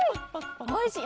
おいしい！